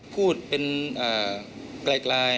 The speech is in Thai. พูดเป็นอ่าใกล้